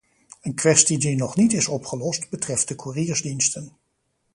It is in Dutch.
Een kwestie die nog niet is opgelost, betreft de koeriersdiensten.